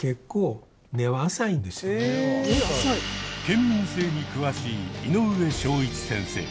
県民性に詳しい井上章一先生。